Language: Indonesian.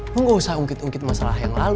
lo gausah ungkit ungkit masalah yang lalu